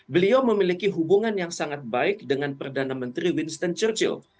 beliau memiliki hubungan yang sangat baik dengan perdana menteri winston churchil